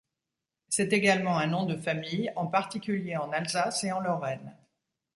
C'est également un nom de famille, en particulier en Alsace et en Lorraine.